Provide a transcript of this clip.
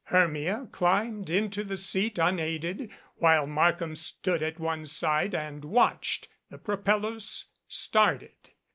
Hermia climbed into the seat unaided, while Markham stood at one side and watched the pro pellers started.